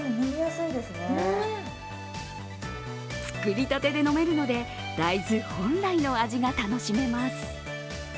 作りたてで飲めるので大豆本来の味が楽しめます。